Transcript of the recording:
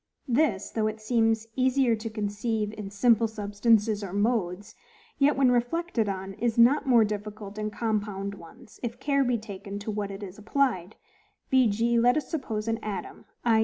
This, though it seems easier to conceive in simple substances or modes; yet, when reflected on, is not more difficult in compound ones, if care be taken to what it is applied: v.g. let us suppose an atom, i.